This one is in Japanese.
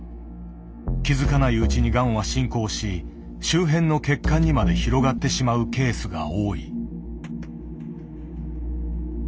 気付かないうちにがんは進行し周辺の血管にまで広がってしまうケースが多い。